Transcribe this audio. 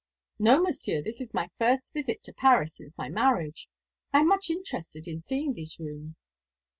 "No, Monsieur, this is my first visit to Paris since my marriage. I am much interested in seeing these rooms."